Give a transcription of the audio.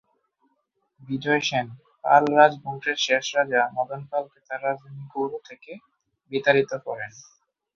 বিজয় সেন পাল রাজবংশের শেষ রাজা মদন পালকে তার রাজধানী গৌড় থেকে বিতাড়িত করেন।